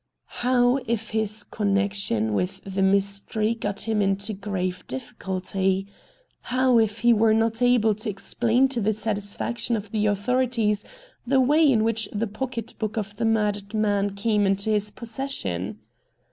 How if his connection with the mystery got THE POCKET BOOK 169 him into grave difficulty ? How if he were not able to explain to the satisfaction of the authorities the way in which the pocket book of the murdered man came into his possession